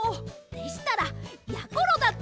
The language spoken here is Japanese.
でしたらやころだって！